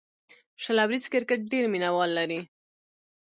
شل اوریز کرکټ ډېر مینه وال لري.